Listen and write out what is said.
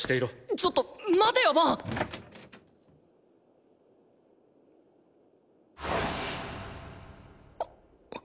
ちょっと待てよボン！！っ！！